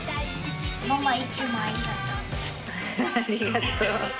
ありがとう。